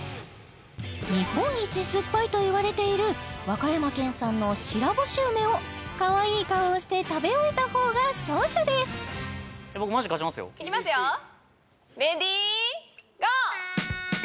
日本一酸っぱいといわれている和歌山県産の白干梅をかわいい顔をして食べ終えた方が勝者ですいきますよレディーゴー！